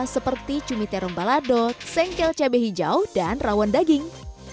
seperti cumi terong balado sengkel cabai hijau dan rawon daging